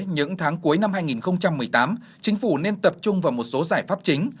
những tháng cuối năm hai nghìn một mươi tám chính phủ nên tập trung vào một số giải pháp chính